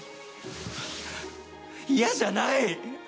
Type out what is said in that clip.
嫌じゃない！